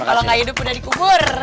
kalau nggak hidup udah dikubur